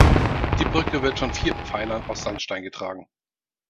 Die Brücke wird von vier Pfeilern aus Sandstein getragen.